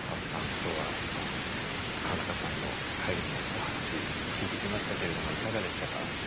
今日は川中さんの介護のお話ずっと聞いてきましたけれどもいかがでしたか？